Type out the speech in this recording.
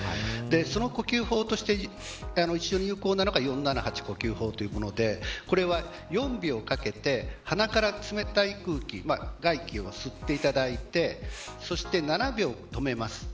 その呼吸法として有効なのが４７８呼吸法というものでこれは４秒かけて鼻から冷たい空気外気を吸っていただいてそして７秒止めます。